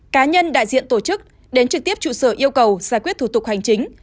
cá nhân đại diện tổ chức đến trực tiếp trụ sở yêu cầu giải quyết thủ tục hành chính